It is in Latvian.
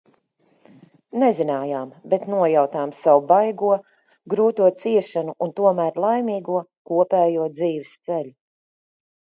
Nezinājām, bet nojautām savu baigo, grūto ciešanu un tomēr laimīgo, kopējo dzīves ceļu.